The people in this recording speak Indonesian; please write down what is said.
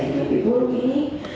hidupi buruk ini